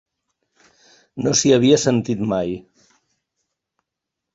No s'hi havia sentit mai.